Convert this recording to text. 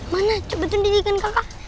mana coba tuh di ikan kakak